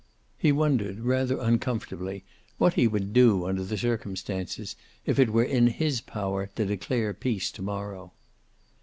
He wondered, rather uncomfortably, what he would do, under the circumstances, if it were in his power to declare peace to morrow.